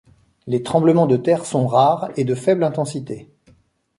Les tremblements de terre sont rares et de faibles intensités.